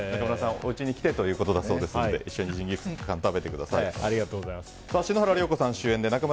中村さん、おうちに来てということだそうですので一緒に食べてください。